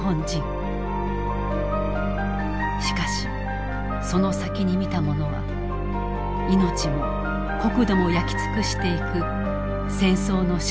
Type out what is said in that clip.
しかしその先に見たものは命も国土も焼き尽くしていく戦争の正体だった。